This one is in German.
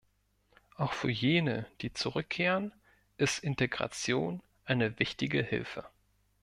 Auch für jene, die zurückkehren, ist Integration eine wichtige Hilfe.